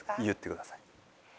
言ってください。